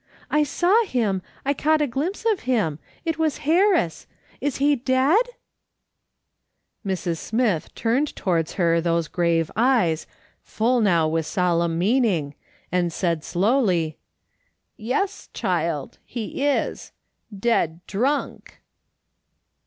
" I saw him, I caught a glimpse of him, it was Harris. Is he dead ?" Mrs. Smith turned towards her those grave eyes, full now with solemn meaning, and said slowly, " Yes, child, he is — dead drunk."